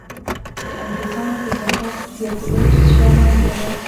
د انګرېزانو د طاقت زیاتېدل شر منبع ده.